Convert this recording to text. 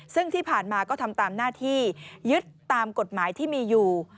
ซึ่งที่ผ่านมาก็ทำตามหน้าที่ยึดตามกฎหมายที่มีอยู่